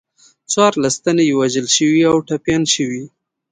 څوارلس تنه یې وژل شوي او ټپیان شوي.